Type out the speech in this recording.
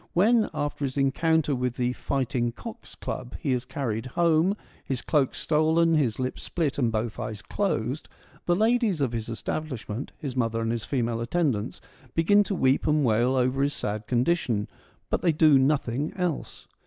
When, after his encounter with the ' Fighting Cocks' Club ' he is carried home, his cloak stolen, his lip split, and both eyes closed, the ladies of his establishment, his mother and his female attendants, begin to weep and wail over his sad condition — but they do nothing else.